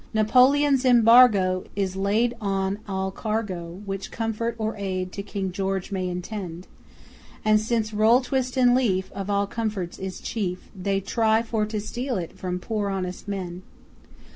Napoleon's embargo Is laid on all cargo Which comfort or aid to King George may intend; And since roll, twist and leaf, Of all comforts is chief, They try for to steal it from poor honest men!